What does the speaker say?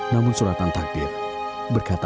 namun suratan takdir berkata